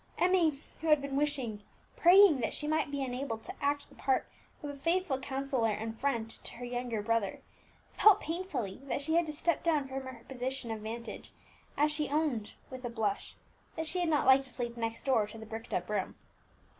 Emmie, who had been wishing, praying that she might be enabled to act the part of a faithful counsellor and friend to her younger brother, felt painfully that she had to step down from her position of vantage, as she owned, with a blush, that she had not liked to sleep next door to the bricked up room.